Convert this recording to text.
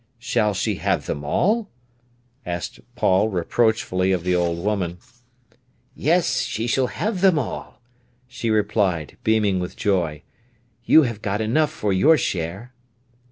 "Shall she have them all?" asked Paul reproachfully of the old woman. "Yes, she shall have them all," she replied, beaming with joy. "You have got enough for your share."